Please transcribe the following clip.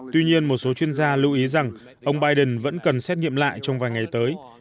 tuy nhiên một số chuyên gia lưu ý rằng ông biden vẫn cần xét nghiệm lại trong vài ngày tới